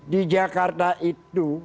di jakarta itu